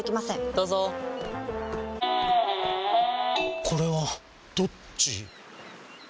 どうぞこれはどっち？